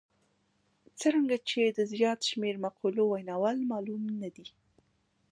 څرنګه چې د زیات شمېر مقولو ویناوال معلوم نه دي.